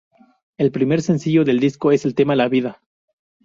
El primer sencillo del disco es el tema "La vida".